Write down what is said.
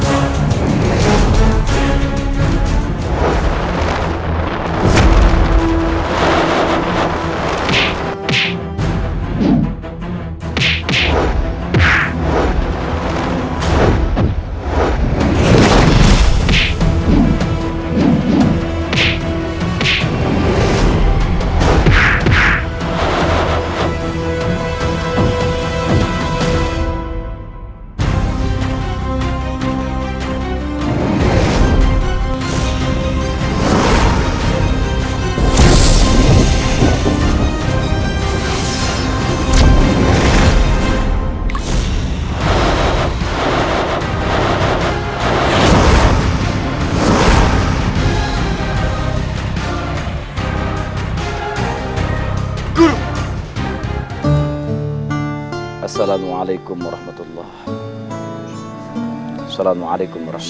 assalamualaikum warahmatullahi wabarakatuh